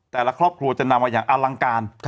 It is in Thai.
แต่ละครอบครัวจะนำมาอย่างอลังการ